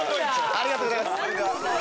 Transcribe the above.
ありがとうございます。